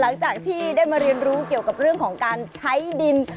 หลังจากที่ได้มาเรียนรู้เกี่ยวกับเรื่องของการใช้ดิน